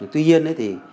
tuy nhiên thì